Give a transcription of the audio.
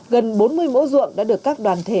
gần bốn mươi mẫu ruộng đã được các đoàn thể